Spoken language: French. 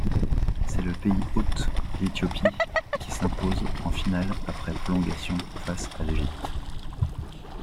C'est le pays hôte, l'Éthiopie, qui s'impose en finale après prolongations, face à l'Égypte.